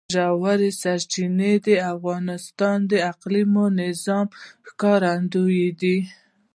ژورې سرچینې د افغانستان د اقلیمي نظام ښکارندوی ده.